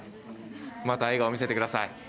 また、笑顔を見せてください。